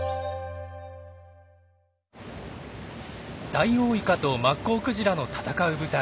ダイオウイカとマッコウクジラの闘う舞台